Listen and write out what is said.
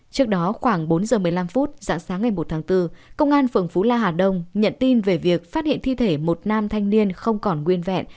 trước đó khoảng bốn giờ một mươi năm phút dạng sáng ngày một tháng bốn công an phường phú la hà đông nhận tin về việc phát hiện thi thể một nam thanh niên không còn nguyên vẹn